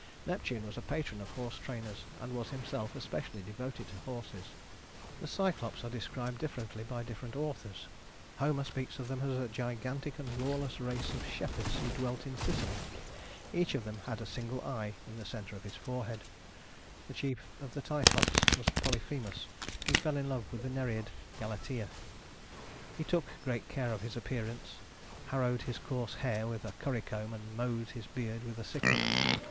Neptune was a patron of horse trainers, and was himself especially devoted to horses. The Cyclops are described differently by different authors. Homer speaks of them as a gigantic and lawless race of shepherds who dwelt in Sicily. Each of them had a single eye in the center of his forehead. The chief of the Cyclops was Polyphemus who fell in love with the Nereid Galatea. He took great care of his appearance, harrowed his coarse hair with a currycomb and mowed his beard with a sickle.